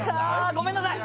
ごめんなさい。